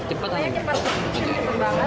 cukup cepat banget dan semua pekerjaan